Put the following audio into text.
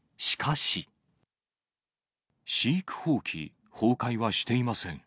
飼育放棄、崩壊はしていません。